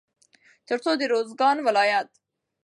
تر څو د روزګان ولايت